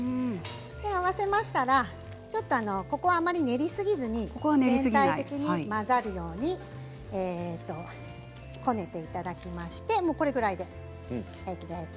合わせましたらここはあまり練りすぎずに全体的に混ざるようにこねていただきましてもうこれぐらいで平気です。